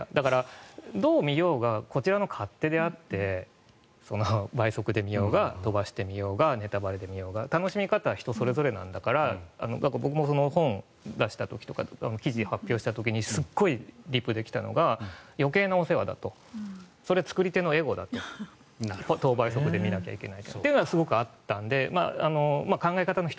どう見ようがこちらの勝手であって倍速で見ようが飛ばして見ようがネタバレで見ようが楽しみ方は人それぞれなんだから僕も本を出した時とか記事を発表した時にすごいリプで来たのは余計なお世話だそれは作り手のエゴだ倍速で見ないといけないというのはあったので。